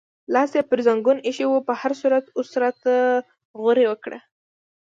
لاس یې پر زنګون ایښی و، په هر صورت اوس راته غورې وکړه.